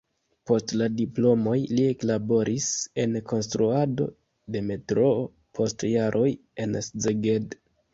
Post la diplomoj li eklaboris en konstruado de metroo, post jaroj en Szeged.